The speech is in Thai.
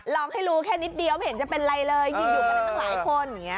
ลองให้รู้แค่นิดเดียวไม่เห็นจะเป็นไรเลยอยู่อยู่กันต้องหลายคนอันงี้นะ